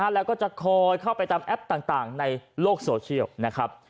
แล้วก็จะคอยเข้าไปตามแอปต่างในโลกโซเชียลนะครับ